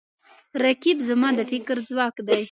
رقیب زما د فکر ځواک دی